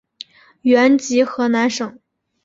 原籍河南省。